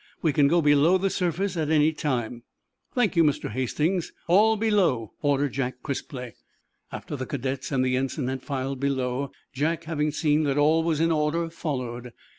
We can go below the surface at any time." "Thank you, Mr. Hastings. All below!" ordered Jack crisply. After the cadets and the ensign had filed below, Jack, having seen that all was in order, followed.